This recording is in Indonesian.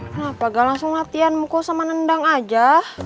kenapa gak langsung latihan mukul sama nendang aja